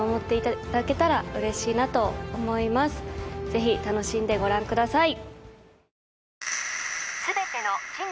ぜひ楽しんでご覧ください